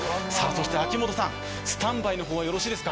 秋元さん、スタンバイはよろしいですか。